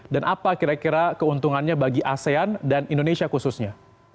dan apa kira kira keuntungannya bagi asean dan indonesia khususnya